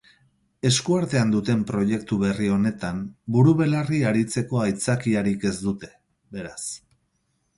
Esku artean duten proiektu berri honetan buru belarri aritzeko aitzakiarik ez dute beraz.